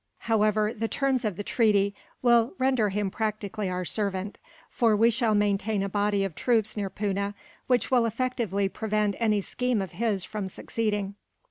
"However, the terms of the treaty will render him practically our servant; for we shall maintain a body of troops near Poona, which will effectually prevent any scheme of his from succeeding.